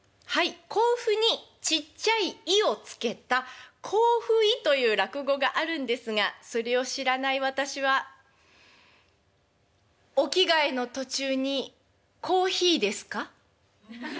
「甲府」にちっちゃい「ぃ」を付けた「甲府ぃ」という落語があるんですがそれを知らない私は「お着替えの途中にコーヒーですか？」。